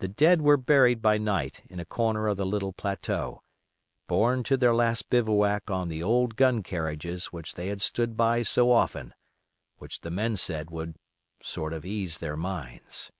The dead were buried by night in a corner of the little plateau, borne to their last bivouac on the old gun carriages which they had stood by so often—which the men said would "sort of ease their minds."